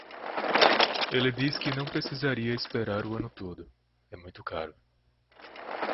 Ele diz que não precisaria esperar o ano todo, é muito caro.